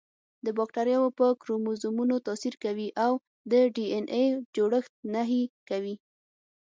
د باکتریاوو په کروموزومونو تاثیر کوي او د ډي این اې جوړښت نهي کوي.